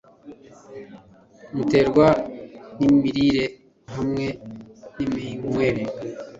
muterwa nimirire hamwe niminywere